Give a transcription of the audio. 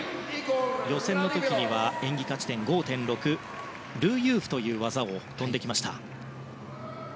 予選の時には演技価値点５．６のルー・ユーフという技を跳びました。